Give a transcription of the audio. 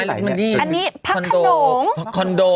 อันนี้คอนโด